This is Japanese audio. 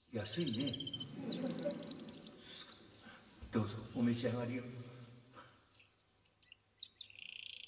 「どうぞお召し上がりを」。